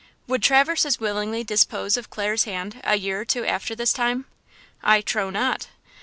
Would Traverse as willingly dispose of Clare's hand a year or two after this time? I trow not!